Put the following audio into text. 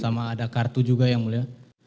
sama ada kartu juga yang mulia